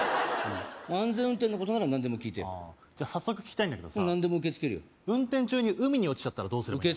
安全運転のことなら何でも聞いてじゃあ早速聞きたいんだけどさ何でも受け付けるよ運転中に海に落ちちゃったらどうすればいい？